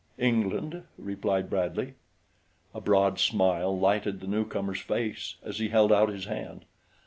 "England," replied Bradley. A broad smile lighted the newcomer's face as he held out his hand.